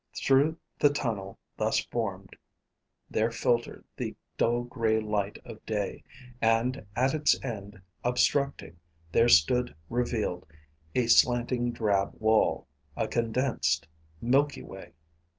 Through the tunnel thus formed there filtered the dull gray light of day: and at its end, obstructing, there stood revealed a slanting drab wall, a condensed milky way.